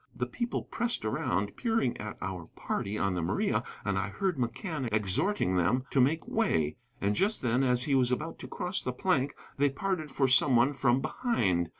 The people pressed around, peering at our party on the Maria, and I heard McCann exhorting them to make way. And just then, as he was about to cross the plank, they parted for some one from behind.